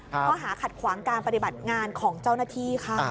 ข้อหาขัดขวางการปฏิบัติงานของเจ้าหน้าที่ค่ะ